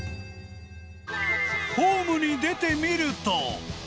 ホームに出てみると。